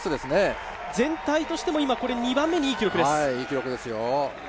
全体としても２番目にいい記録です